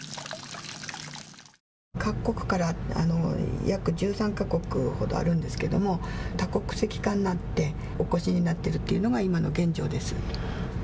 各国から、約１３か国ほどあるんですけど多国籍化になってお越しになっているのが今の現状です。